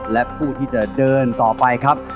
และผู้ที่จะเดินต่อไปครับ